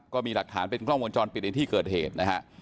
ก็มีหลักฐานเป็นกล้องวงจรปิดในที่เกิดเหตุนะฮะ